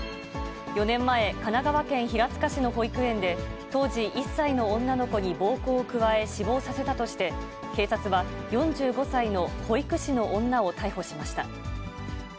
４年前、神奈川県平塚市の保育園で、当時１歳の女の子に暴行を加え死亡させたとして、警察は４５歳の保育士の女を逮捕しました。